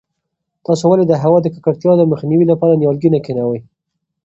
تاسې ولې د هوا د ککړتیا د مخنیوي لپاره نیالګي نه کښېنوئ؟